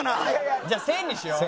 じゃあ１０００にしよう。